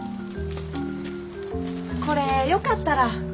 これよかったら。